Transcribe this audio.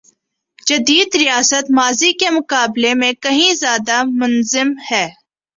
جدید ریاست ماضی کے مقابلے میں کہیں زیادہ منظم ہے۔